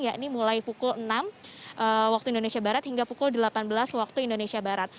yakni mulai pukul enam waktu indonesia barat hingga pukul delapan belas waktu indonesia barat